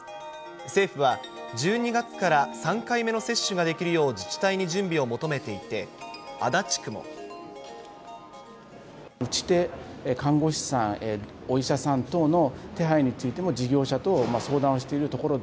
政府は１２月から３回目の接種ができるよう自治体に準備を求めて打ち手、看護師さん、お医者さん等の手配についても、事業者と相談をしているところで。